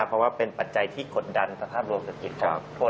เพราะเป็นปัจจัยที่กดดันสภาพโลกศัรกิจ